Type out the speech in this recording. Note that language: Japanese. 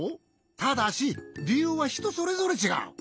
ただしりゆうはひとそれぞれちがう。